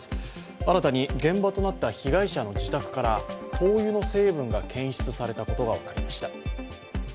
新たに現場となった被害者の自宅から灯油の成分が検出されたことが分かりました。